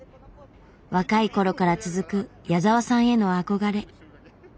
若いころから続く矢沢さんへの憧れ。